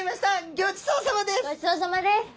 ごちそうさまです！